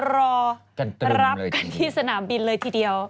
รอรับกันที่สนามบินเลยทีเดียว